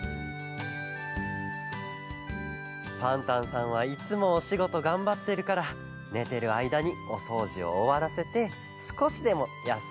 パンタンさんはいつもおしごとがんばってるからねてるあいだにおそうじをおわらせてすこしでもやすんでもらおうって。